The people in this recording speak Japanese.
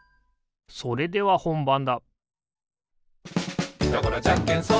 それではほんばんだおっ！